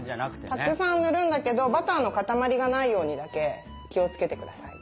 たくさん塗るんだけどバターの塊がないようにだけ気をつけてください。